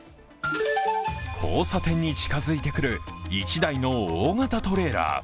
交差点に近づいてくる１台の大型トレーラー。